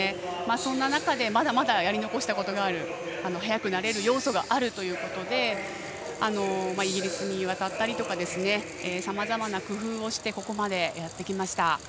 そんな中、まだまだやり残したことがある速くなれる要素があるということでイギリスに渡ったりとかさまざまな工夫をしてここまでやってきました。